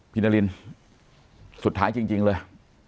นารินสุดท้ายจริงเลย